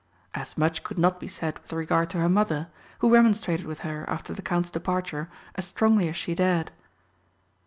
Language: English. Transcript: As much could not be said with regard to her Mother, who remonstrated with her after the Count's departure as strongly as she dared.